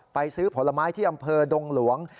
ซื้อผลไม้ที่อำเภอดงหลวง